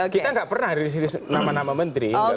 kita gak pernah dirilis nama nama menteri